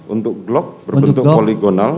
untuk glock berbentuk poligonal